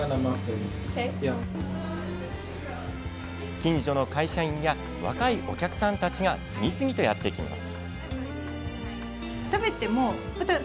近所の会社員や若いお客さんたちが次々とやって来ます。